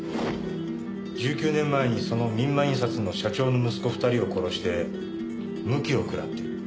１９年前にその三馬印刷の社長の息子２人を殺して無期を食らっている。